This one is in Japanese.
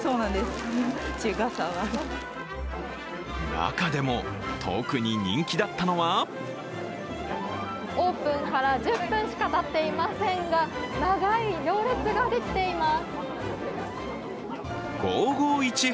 中でも特に人気だったのはオープンから１０分しかたっていませんが長い行列ができています。